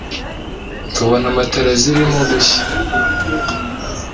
tubona matera zirimo gushya”.